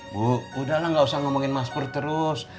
bu udahlah gak usah ngomongin mas pur terus